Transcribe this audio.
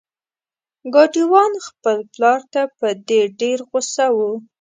ګاډی وان خپل پلار ته په دې ډیر غوسه و.